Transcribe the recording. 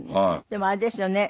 でもあれですよね。